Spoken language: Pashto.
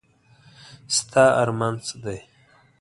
ستا ارمان څه دی ؟